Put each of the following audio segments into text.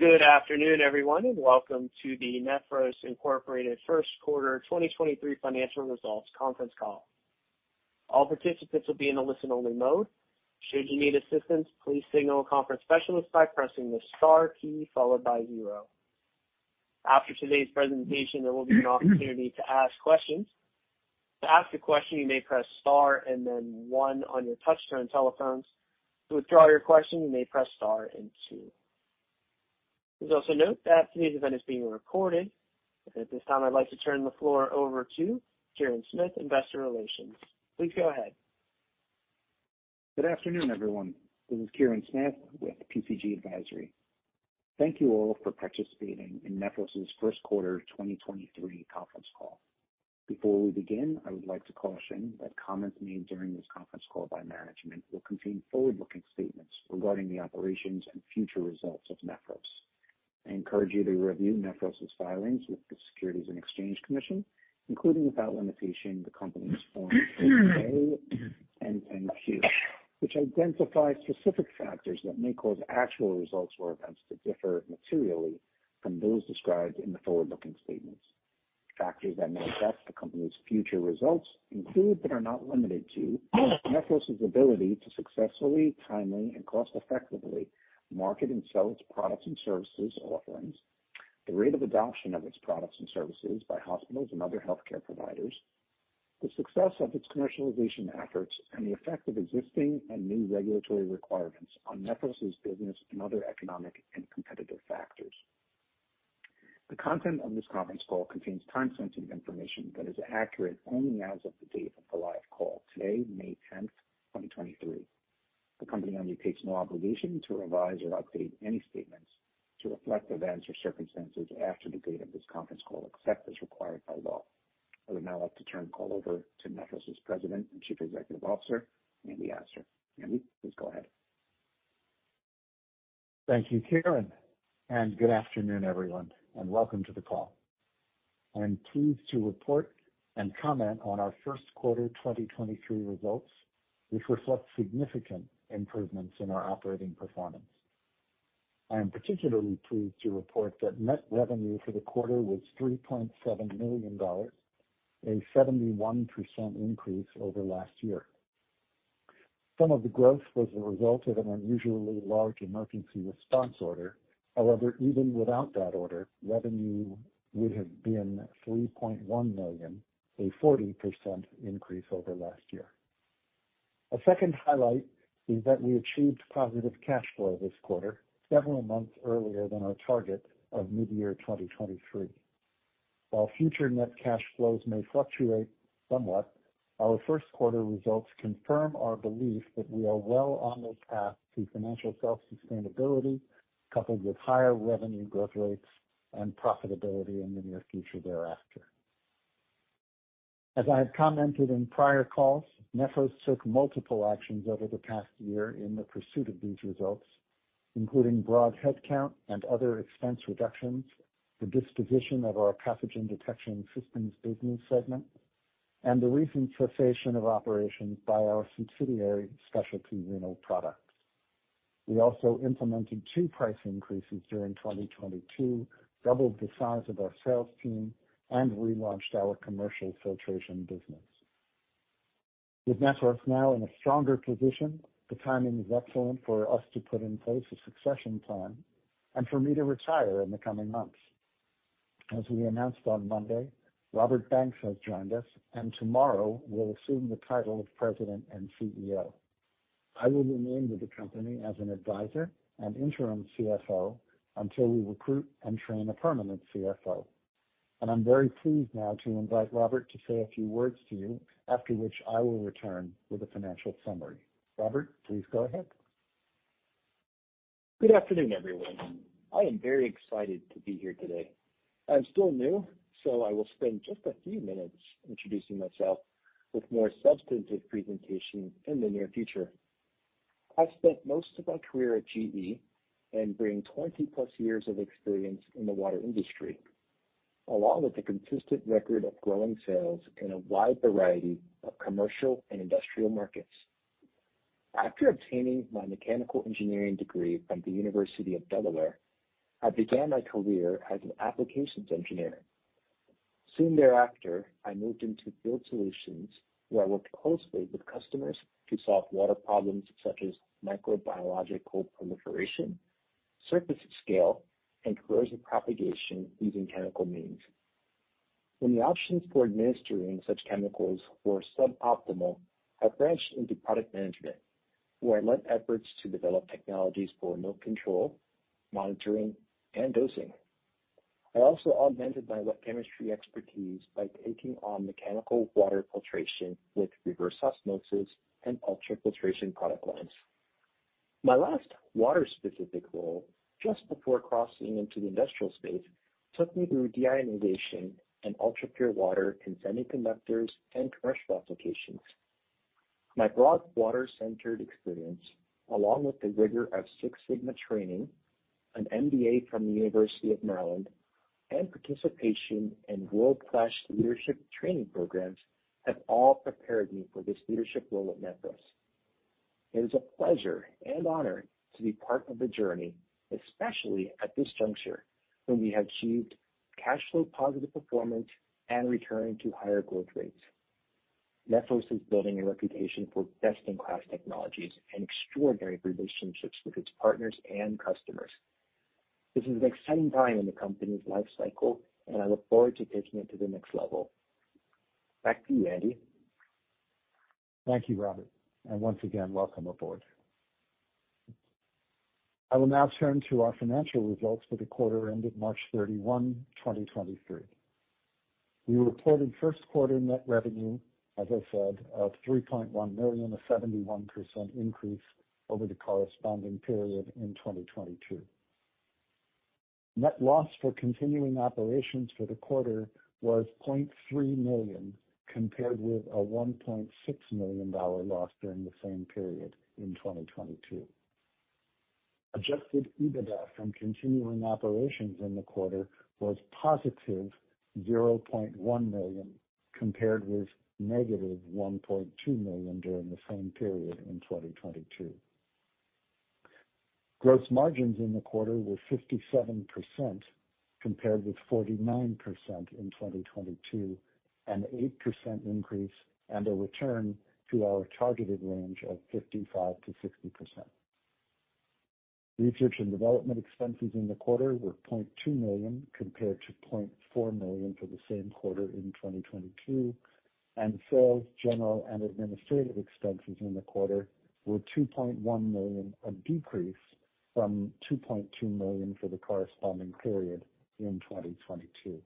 Good afternoon, everyone, and welcome to the Nephros, Inc. First Quarter 2023 financial results conference call. All participants will be in a listen-only mode. Should you need assistance, please signal a conference specialist by pressing the star key followed by zero. After today's presentation, there will be an opportunity to ask questions. To ask a question, you may press star and then 1 on your touchtone telephones. To withdraw your question, you may press star and two. Please also note that today's event is being recorded. At this time, I'd like to turn the floor over to Kirin Smith, Investor Relations. Please go ahead. Good afternoon, everyone. This is Kirin Smith with PCG Advisory. Thank you all for participating in Nephros' 1st quarter 2023 conference call. Before we begin, I would like to caution that comments made during this conference call by management will contain forward-looking statements regarding the operations and future results of Nephros. I encourage you to review Nephros' filings with the Securities and Exchange Commission, including without limitation, the company's Form 8-K and 10-Q, which identify specific factors that may cause actual results or events to differ materially from those described in the forward-looking statements. Factors that may affect the company's future results include, but are not limited to, Nephros' ability to successfully, timely and cost-effectively market and sell its products and services offerings, the rate of adoption of its products and services by hospitals and other healthcare providers, the success of its commercialization efforts, and the effect of existing and new regulatory requirements on Nephros' business and other economic and competitive factors. The content of this conference call contains time-sensitive information that is accurate only as of the date of the live call, today, May 10, 2023. The company undertakes no obligation to revise or update any statements to reflect events or circumstances after the date of this conference call, except as required by law. I would now like to turn the call over to Nephros' President and Chief Executive Officer, Andy Astor. Andy, please go ahead. Thank you, Kirin, Good afternoon, everyone, Welcome to the call. I am pleased to report and comment on our first quarter 2023 results, which reflect significant improvements in our operating performance. I am particularly pleased to report that net revenue for the quarter was $3.7 million, a 71% increase over last year. Some of the growth was a result of an unusually large emergency response order. Even without that order, revenue would have been 3.1 million, a 40% increase over last year. Second highlight is that we achieved positive cash flow this quarter, several months earlier than our target of midyear 2023. While future net cash flows may fluctuate somewhat, our first quarter results confirm our belief that we are well on the path to financial self-sustainability, coupled with higher revenue growth rates and profitability in the near future thereafter. As I have commented in prior calls, Nephros took multiple actions over the past year in the pursuit of these results, including broad headcount and other expense reductions, the disposition of our Pathogen Detection Systems business segment, and the recent cessation of operations by our subsidiary, Specialty Renal Products. We also implemented two price increases during 2022, doubled the size of our sales team, and relaunched our commercial filtration business. With Nephros now in a stronger position, the timing is excellent for us to put in place a succession plan and for me to retire in the coming months. As we announced on Monday, Robert Banks has joined us and tomorrow will assume the title of President and CEO. I will remain with the company as an advisor and interim CFO until we recruit and train a permanent CFO. I'm very pleased now to invite Robert to say a few words to you, after which I will return with a financial summary. Robert, please go ahead. Good afternoon, everyone. I am very excited to be here today. I'm still new, so I will spend just a few minutes introducing myself with more substantive presentation in the near future. I've spent most of my career at GE and bring 20-plus years of experience in the water industry, along with a consistent record of growing sales in a wide variety of commercial and industrial markets. After obtaining my mechanical engineering degree from the University of Delaware, I began my career as an applications engineer. Soon thereafter, I moved into field solutions, where I worked closely with customers to solve water problems such as microbiological proliferation, surface scale, and corrosion propagation using chemical means. When the options for administering such chemicals were suboptimal, I branched into product management, where I led efforts to develop technologies for remote control, monitoring, and dosing. I also augmented my wet chemistry expertise by taking on mechanical water filtration with reverse osmosis and ultrafiltration product lines. My last water-specific role, just before crossing into the industrial space, took me through deionization and ultrapure water in semiconductors and commercial applications. My broad water-centered experience, along with the rigor of Six Sigma training, an MBA from the University of Maryland, and participation in world-class leadership training programs have all prepared me for this leadership role at Nephros. It is a pleasure and honor to be part of the journey, especially at this juncture when we have achieved cash flow positive performance and returning to higher growth rates. Nephros is building a reputation for best-in-class technologies and extraordinary relationships with its partners and customers. This is an exciting time in the company's life cycle, and I look forward to taking it to the next level. Back to you, Andy. Thank you, Robert. Once again, welcome aboard. I will now turn to our financial results for the quarter ended March 31, 2023. We reported first quarter net revenue, as I said, of 3.1 million, a 71% increase over the corresponding period in 2022. Net loss for continuing operations for the quarter was $0.3 million, compared with a $1.6 million loss during the same period in 2022. Adjusted EBITDA from continuing operations in the quarter was positive 0.1 million, compared with negative 1.2 million during the same period in 2022. Gross margins in the quarter were 57%, compared with 49% in 2022, an 8% increase and a return to our targeted range of 55%-60%. Research and development expenses in the quarter were 0.2 million, compared to 0.4 million for the same quarter in 2022. Sales general and administrative expenses in the quarter were 2.1 million, a decrease from 2.2 million for the corresponding period in 2022.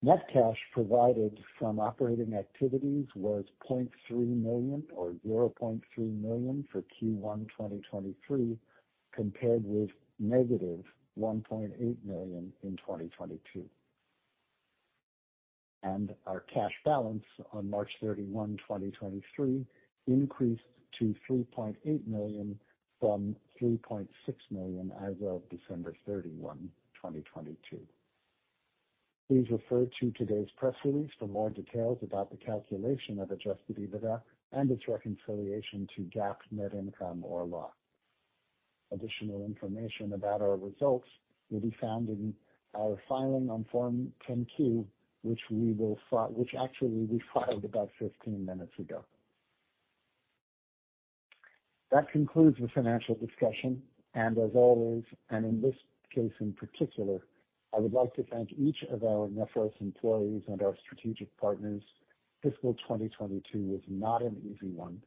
Net cash provided from operating activities was 0.3 million or 0.3 million for Q1 2023, compared with negative 1.8 million in 2022. Our cash balance on March 31, 2023 increased to 3.8 million from 3.6 million as of December 31, 2022. Please refer to today's press release for more details about the calculation of Adjusted EBITDA and its reconciliation to GAAP net income or loss. Additional information about our results will be found in our filing on Form 10-Q, which actually we filed about 15 minutes ago. That concludes the financial discussion, as always, and in this case in particular, I would like to thank each of our Nephros employees and our strategic partners. Fiscal 2022 was not an easy one,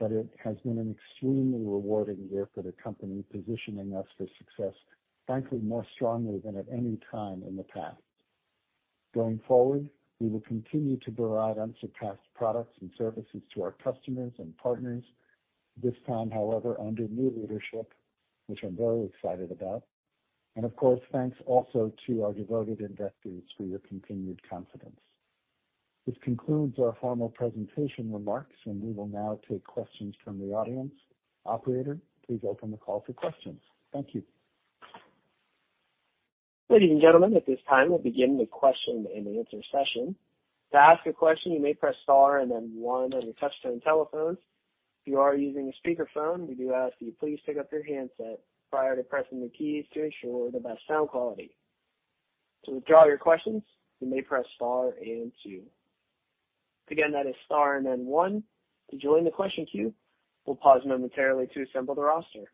it has been an extremely rewarding year for the company, positioning us for success, frankly, more strongly than at any time in the past. Going forward, we will continue to provide unsurpassed products and services to our customers and partners. This time, however, under new leadership, which I'm very excited about. Of course, thanks also to our devoted investors for your continued confidence. This concludes our formal presentation remarks, we will now take questions from the audience. Operator, please open the call for questions. Thank you. Ladies and gentlemen, at this time, we'll begin the question and answer session. To ask a question, you may press star and then one on your touch-tone telephone. If you are using a speakerphone, we do ask that you please pick up your handset prior to pressing the keys to ensure the best sound quality. To withdraw your questions, you may press star and two. Again, that is star and then one to join the question queue. We'll pause momentarily to assemble the roster.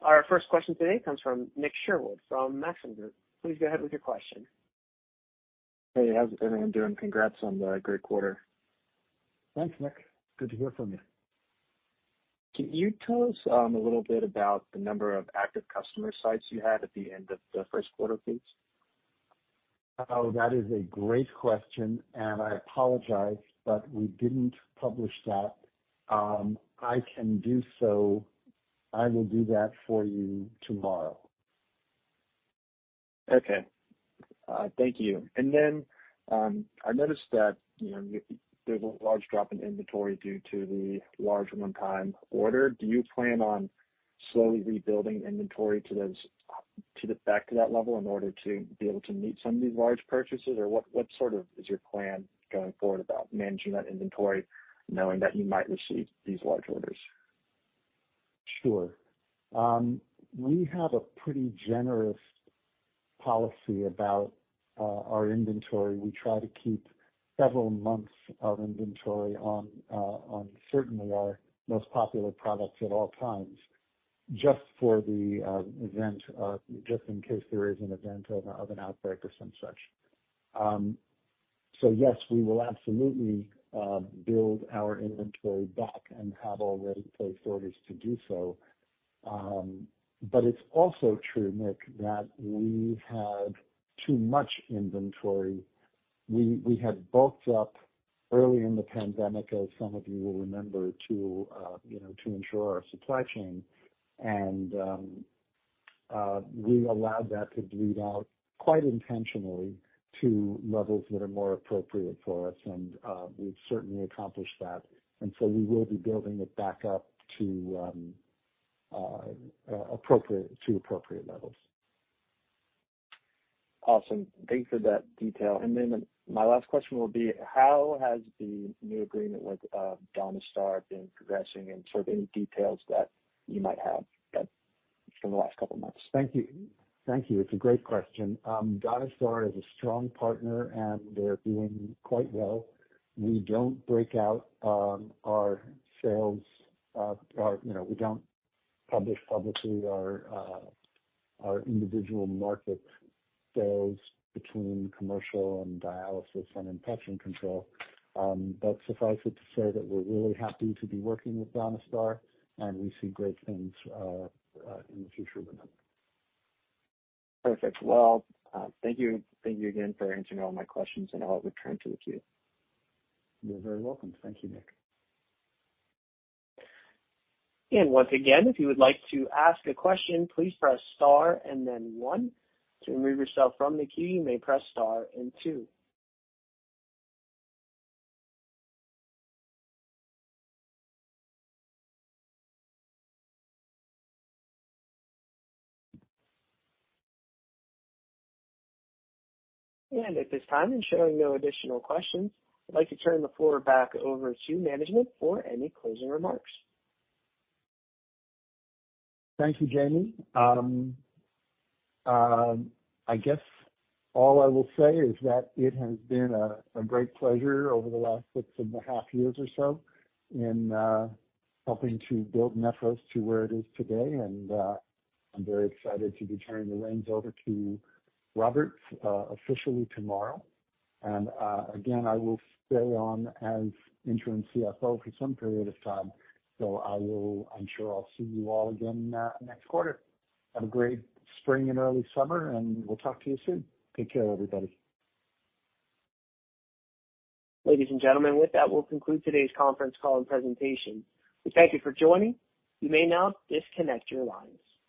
Our first question today comes from Nick Sherwood from Maxim Group. Please go ahead with your question. Hey, how's everyone doing? Congrats on the great quarter. Thanks, Nick. Good to hear from you. Can you tell us, a little bit about the number of active customer sites you had at the end of the first quarter, please? That is a great question, and I apologize, but we didn't publish that. I can do so. I will do that for you tomorrow. Okay, thank you. I noticed that, you know, there's a large drop in inventory due to the large one-time order. Do you plan on slowly rebuilding inventory to those, back to that level in order to be able to meet some of these large purchases? What sort of is your plan going forward about managing that inventory, knowing that you might receive these large orders? Sure. We have a pretty generous policy about our inventory. We try to keep several months of inventory on certainly our most popular products at all times, just for the event, just in case there is an event of an outbreak or some such. Yes, we will absolutely build our inventory back and have already placed orders to do so. It's also true, Nick, that we had too much inventory. We had bulked up early in the pandemic, as some of you will remember, to, you know, to ensure our supply chain. We allowed that to bleed out quite intentionally to levels that are more appropriate for us. We've certainly accomplished that. We will be building it back up to appropriate levels. Awesome. Thanks for that detail. My last question will be, how has the new agreement with DaVita been progressing, and sort of any details that you might have that from the last couple of months? Thank you. Thank you. It's a great question. DaVita is a strong partner, and they're doing quite well. We don't break out our sales or, you know, we don't publish publicly our individual market sales between commercial and dialysis and infection control. Suffice it to say that we're really happy to be working with DaVita, and we see great things in the future with them. Perfect. Well, thank you. Thank you again for answering all my questions, and I'll return to the queue. You're very welcome. Thank you, Nick. Once again, if you would like to ask a question, please press star and then one. To remove yourself from the queue, you may press star and two. At this time, showing no additional questions, I'd like to turn the floor back over to management for any closing remarks. Thank you, Jamie. I guess all I will say is that it has been a great pleasure over the last six and a half years or so in helping to build Nephros to where it is today. I'm very excited to be turning the reins over to Robert officially tomorrow. Again, I will stay on as interim CFO for some period of time, so I'm sure I'll see you all again next quarter. Have a great spring and early summer, and we'll talk to you soon. Take care, everybody. Ladies and gentlemen, with that, we'll conclude today's conference call and presentation. We thank you for joining. You may now disconnect your lines.